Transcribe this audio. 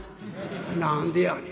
「何でやねん。